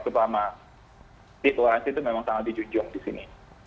terutama situasi itu memang sangat dijunjung di sini